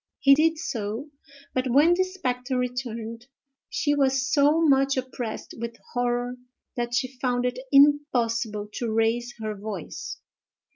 He did so; but, when the spectre returned, she was so much oppressed with horror that she found it impossible to raise her voice.